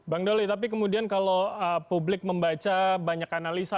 bang doli tapi kemudian kalau publik membaca banyak analisa